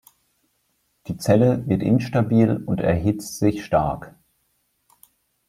Die Zelle wird instabil und erhitzt sich stark.